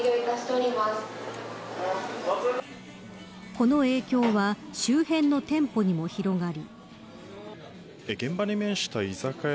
この影響は周辺の店舗にも広がり。